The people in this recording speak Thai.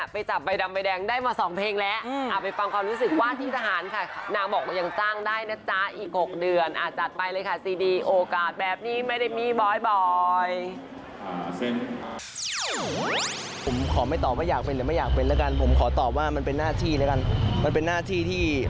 โปรดติดตามตอนต่อไป